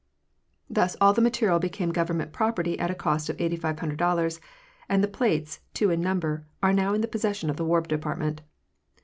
Thus all the material became Government property at a cost of $8,500, and the plates, two in number, are now in possession of the War Department.